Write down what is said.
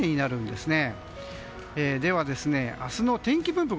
では明日の天気分布